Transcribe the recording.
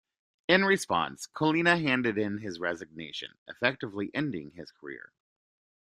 In response, Collina handed in his resignation, effectively ending his career.